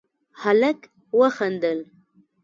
هلک وخندل: